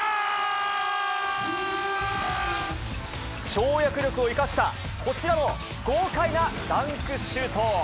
跳躍力を生かした、こちらの豪快なダンクシュート。